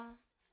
terus di saat